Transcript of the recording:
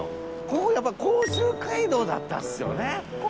ここやっぱ甲州街道だったんすよね。